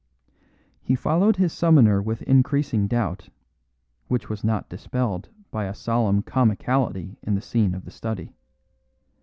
He followed his summoner with increasing doubt, which was not dispelled by a solemn comicality in the scene of the study.